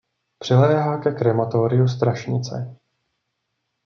Přiléhá ke Krematoriu Strašnice.